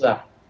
dan harus jelas